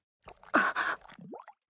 あっ！